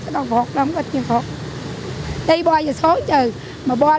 nhưng mà hoàn cảnh mình khó khăn quá